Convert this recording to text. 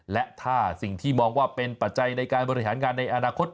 และถ้าสิ่งที่มองว่าเป็นปัจจัยในการบริหารงานในอนาคต